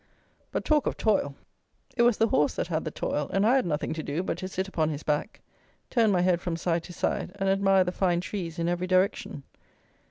But talk of toil! It was the horse that had the toil; and I had nothing to do but to sit upon his back, turn my head from side to side and admire the fine trees in every direction.